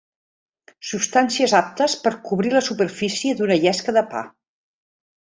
Substàncies aptes per cobrir la superfície d'una llesca de pa.